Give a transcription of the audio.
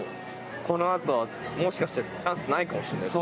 このあとはもしかしたらチャンスないかもしれないですね。